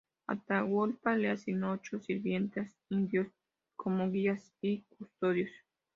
Atahualpa le asignó ocho sirvientes indios, como guías y custodios.